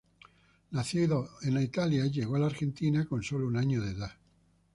Nacido en Italia, llegó a la Argentina con solo un año de edad.